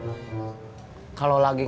tidak ada yang makan